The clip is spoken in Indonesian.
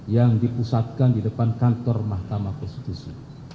yang dipusatkan di depan kantor mahkamah konstitusi